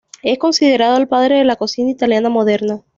Es considerado el padre de la cocina italiana moderna.